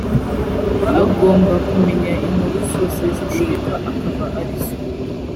agomba kumenya inkuru zose zishoboka akaba arizo